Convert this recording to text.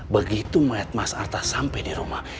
begitu melihat mas arta sampai di rumah